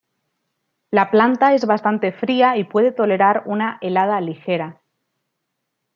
La planta es bastante fría y puede tolerar una helada ligera.